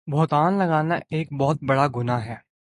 بہتان لگانا ایک بہت بڑا گناہ ہے